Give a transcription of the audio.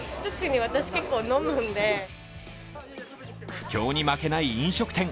苦境に負けない飲食店。